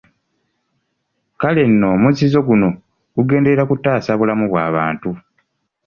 Kale nno omuzizo guno gugenderera kutaasa bulamu bw’abantu.